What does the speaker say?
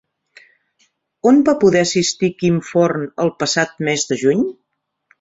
On va poder assistir Quim Forn el passat mes de juny?